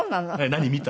「何見た？